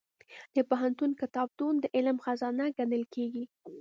د پوهنتون کتابتون د علم خزانه ګڼل کېږي.